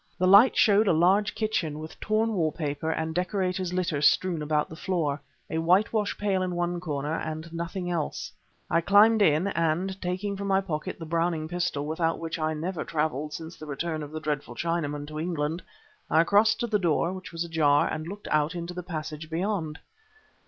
The light showed a large kitchen, with torn wall paper and decorator's litter strewn about the floor, a whitewash pail in one corner, and nothing else. I climbed in, and, taking from my pocket the Browning pistol without which I had never traveled since the return of the dreadful Chinaman to England, I crossed to the door, which was ajar, and looked out into the passage beyond.